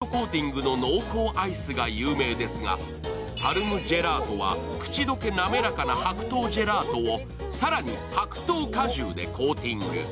ＰＡＲＭといえばチョコレートコーティングの濃厚なアイスが有名ですがＰＡＲＭジェラートは口溶けなめらかな白桃ジェラートを更に白桃果汁でコーティング。